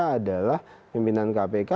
adalah pimpinan kpk